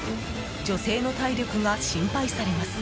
女性の体力が心配されます。